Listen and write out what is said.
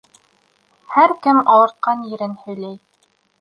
Һәр кем ауыртҡан ерен һөйләй.